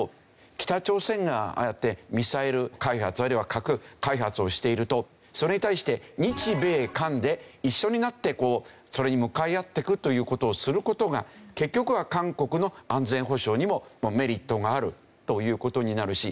北朝鮮がああやってミサイル開発あるいは核開発をしているとそれに対して日・米・韓で一緒になってそれに向かい合ってくという事をする事が結局は韓国の安全保障にもメリットがあるという事になるし。